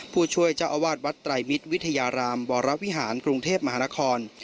ผู้ช่วยเจ้าอาวาสวัดไตรมิตรวิทยารามวรวิหารกรุงเทพมหานคร